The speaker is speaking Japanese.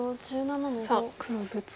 さあ黒ブツカリ。